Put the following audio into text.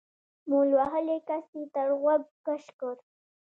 مول وهلي کس يې تر غوږ کش کړ.